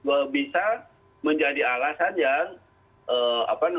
kalau hakim kemudian mengambil pertimbangan itu